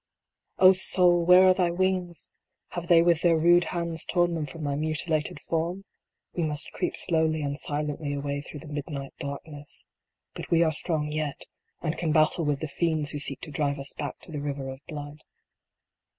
soul, where are thy wings ? Have they with their rude hands torn them from thy mutilated form ? We must creep slowly and silently away through the midnight darkness. But we are strong yet, and can battle with the fiends who seek to drive us back to the river of blood.